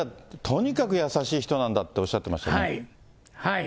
とにかく優しい人なんだっておっしゃってましたよね。